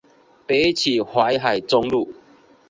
北起淮海中路。